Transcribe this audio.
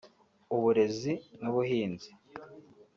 uburezi n’ubuhinzi